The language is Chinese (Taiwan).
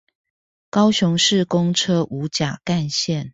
高雄市公車五甲幹線